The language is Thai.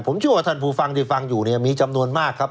ผมเชื่อว่าท่านผู้ฟังที่ฟังอยู่เนี่ยมีจำนวนมากครับ